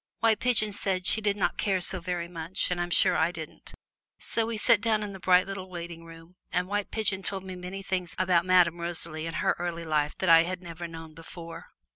White Pigeon said she did not care so very much, and I'm sure I didn't. So we sat down in the bright little waiting room, and White Pigeon told me many things about Madame Rosalie and her early life that I had never known before.